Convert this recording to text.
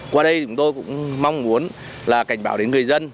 qua đây chúng tôi cũng mong muốn là cảnh báo đến người dân